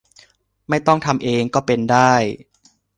ไม่ต้องทำเอง ก็เป็นได้